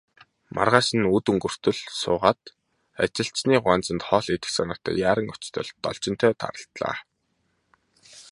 Маргааш нь үд өнгөртөл суугаад, ажилчны гуанзанд хоол идэх санаатай яаран очвол Должинтой тааралдлаа.